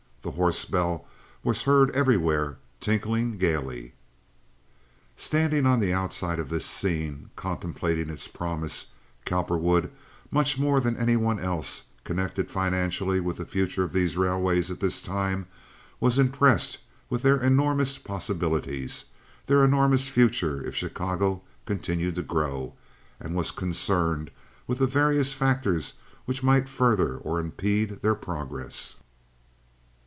The horse bell was heard everywhere tinkling gaily. Standing on the outside of this scene, contemplating its promise, Cowperwood much more than any one else connected financially with the future of these railways at this time was impressed with their enormous possibilities—their enormous future if Chicago continued to grow, and was concerned with the various factors which might further or impede their progress.